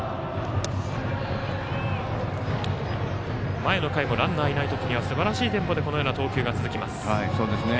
前の回もランナーいない時にはすばらしいテンポでこのような投球が続きます。